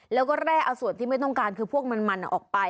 แล้วก็แร่เอาส่วนที่ไม่ต้องการคือพวกมันออกไป